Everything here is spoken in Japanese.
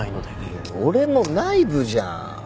俺も内部じゃん。